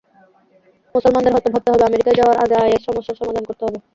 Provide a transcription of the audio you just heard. মুসলমানদের হয়তো ভাবতে হবে, আমেরিকায় যাওয়ার আগে আইএস সমস্যার সমাধান করতে হবে।